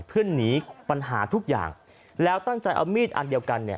เพื่อหนีปัญหาทุกอย่างแล้วตั้งใจเอามีดอันเดียวกันเนี่ย